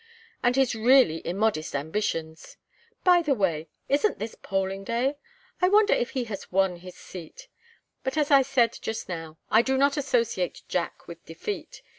and his really immodest ambitions! By the way isn't this polling day? I wonder if he has won his seat? But as I said just now I do not associate Jack with defeat.